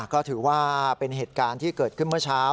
ก็ถือว่าเป็นเหตุการณ์ที่เกิดขึ้นเมื่อเช้า